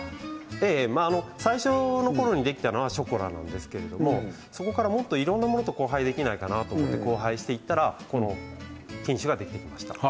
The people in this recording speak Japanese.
最初のころにできたのはショコラなんですけれどそこから、もっといろんなものと交配していったらこの品種ができていきました。